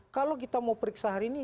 kalau kita mau periksa hari ini